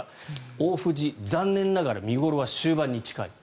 大藤、残念ながら見頃は終盤に近い。